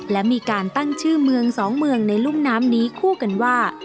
และมีการตั้งชื่อเมืองสองเมืองในรุ่มน้ำนี้คู่กันว่า